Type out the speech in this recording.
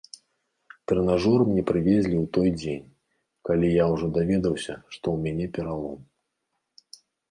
Трэнажор мне прывезлі ў той дзень, калі я ўжо даведаўся, што ў мяне пералом.